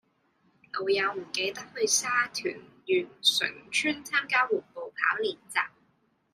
老友唔記得去沙田源順圍參加緩步跑練習